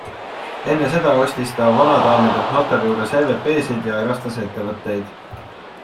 Enne seda ostis ta vanadaamidelt notari juures EVPsid ja erastas ettevõtteid.